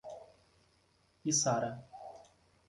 Içara